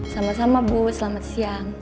sama sama bu selamat siang